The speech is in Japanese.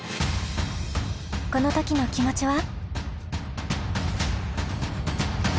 この時の気持ちは？